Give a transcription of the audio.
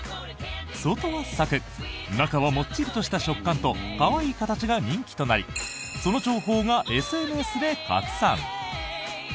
外はサクッ中はもっちりとした食感と可愛い形が人気となりその情報がＳＮＳで拡散。